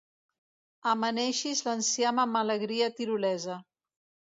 Amaneixis l'enciam amb alegria tirolesa.